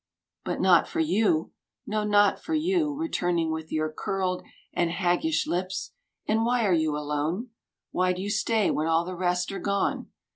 — But not for you, No, not for you, returning with your curled And haggish lips. And why are you alone? Why do you stay when all the rest are gone?